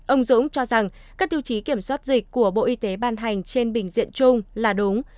ông dũng cho rằng các tiêu chí kiểm soát dịch của bộ y tế ban hành trên bình diện chung là đúng